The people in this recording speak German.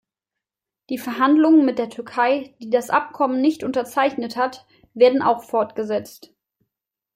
Die Verhandlungen mit der Türkei, die das Abkommen nicht unterzeichnet hat, werden auch fortgesetzt.